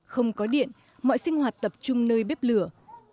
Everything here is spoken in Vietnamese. không có điện mọi sinh hoạt tập trung nơi bếp lửa